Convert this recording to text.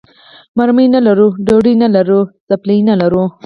مرمۍ نه لرو، ډوډۍ نه لرو، څپلۍ نه لرو.